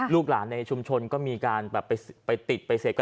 แล้วก็ลูกหลานในชุมชนก็มีการไปติดไปเสพ